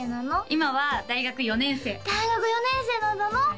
今は大学４年生大学４年生になったの？